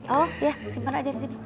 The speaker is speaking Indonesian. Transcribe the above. oh ya simpan aja di sini